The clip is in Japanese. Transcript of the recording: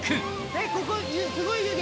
えっここすごい湯気！